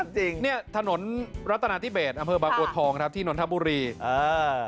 จริงเนี่ยถนนรัฐนาธิเบสอำเภอบางบัวทองครับที่นนทบุรีอ่า